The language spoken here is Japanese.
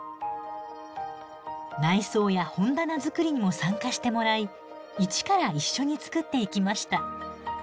内装や本棚作りにも参加してもらい一から一緒に作っていきました。